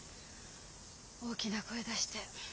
大きな声出して。